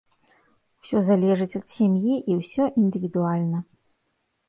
Усё залежыць ад сям'і і ўсё індывідуальна.